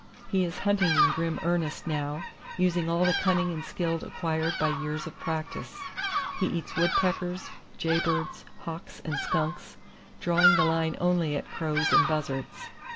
He is hunting in grim earnest now, using all the cunning and skill acquired by years of practice. He eats woodpeckers, jaybirds, hawks and skunks, drawing the line only at crows and buzzards.